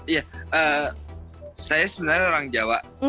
iya saya sebenarnya orang jawa